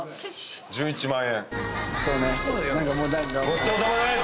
ごちそうさまです。